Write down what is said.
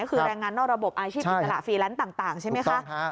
คือแรงงานนอกระบบอาชีพอิสระฟรีแลนซ์ต่างใช่ไหมคะ